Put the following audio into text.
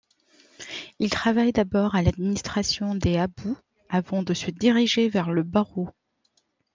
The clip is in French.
Il travaille d’abord à l’administration des habous avant de se diriger vers le barreau.